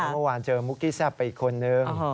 เมื่อวานเจอมุกกี้แซ่บไปอีกคนนึง